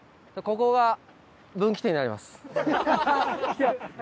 ここが分岐点になります。